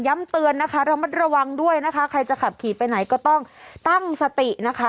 เตือนนะคะระมัดระวังด้วยนะคะใครจะขับขี่ไปไหนก็ต้องตั้งสตินะคะ